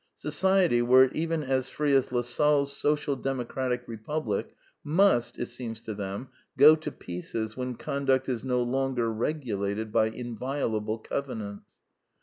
Society, were it even as free as Lassalle's Social Democratic re public, must, it seems to them, go to pieces when conduct is no longer regulated by inviolable covenants.